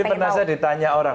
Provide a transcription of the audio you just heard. jadi pernah saya ditanya orang